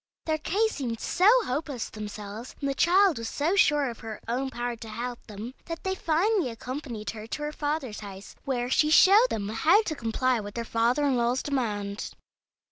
Their case seemed so hopeless to themselves, and the child was so sure of her own power to help them, that they finally accompanied her to her father's house, where she showed them how to comply with their father in law's demand.